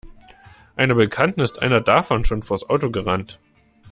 Einer Bekannten ist einer davon schon vors Auto gerannt.